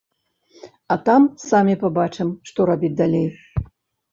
А там самі пабачым, што рабіць далей.